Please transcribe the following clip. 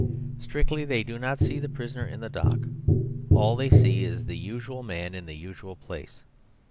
Strictly they do not see the prisoner in the dock; all they see is the usual man in the usual place.